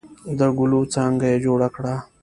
د ګلو څانګه یې جوړه کړه.